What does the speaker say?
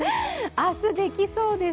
明日できそうです。